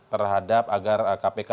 terhadap agar kpk